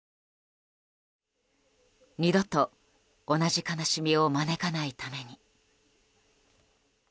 二度と同じ悲しみを招かないために。